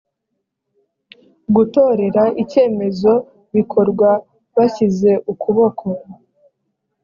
gutorera icyemezo bikorwa bashyize ukuboko